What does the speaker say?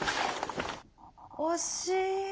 惜しい。